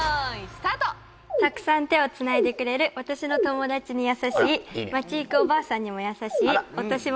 たくさん手をつないでくれる私の友達に優しい街行くおばあさんにも優しい落とし物